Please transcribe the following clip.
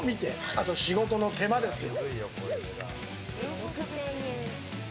あと、仕事の手間ですよ。